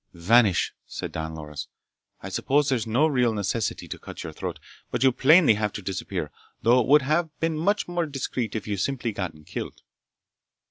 "Vanish," said Don Loris. "I suppose there's no real necessity to cut your throat, but you plainly have to disappear, though it would have been much more discreet if you'd simply gotten killed."